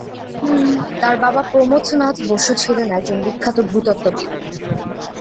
তার বাবা প্রমথনাথ বসু ছিলেন একজন বিখ্যাত ভূতত্ত্ববিদ।